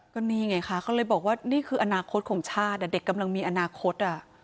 ก็นี่ไงคะเขาเลยบอกว่านี่คืออนาคตของชาติเด็กกำลังมีอนาคต